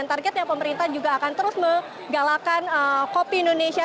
targetnya pemerintah juga akan terus menggalakan kopi indonesia